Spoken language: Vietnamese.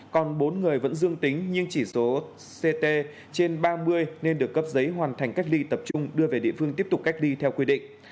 còn bốn người vẫn dương tính nhưng chỉ số ct trên ba mươi nên được cấp giấy hoàn thành cách ly tập trung đưa về địa phương tiếp tục cách ly theo quy định